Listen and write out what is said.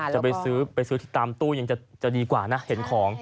จะไปซื้อไปซื้อที่ตามตู้ยังจะดีกว่านะเห็นของ